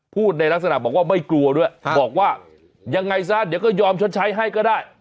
พูดในลักษณะบอกว่าไม่กลัวด้วยบอกว่ายังไงซะเดี๋ยวก็ยอมชดใช้ให้ก็ได้